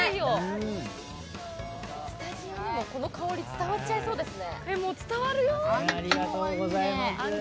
スタジオにもこの香り、伝わっちゃいそうですね。